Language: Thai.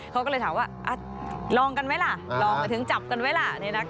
เขาก็เลยถามว่าลองกันไหมล่ะลองหมายถึงจับกันไว้ล่ะ